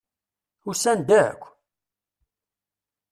Usan-d akk?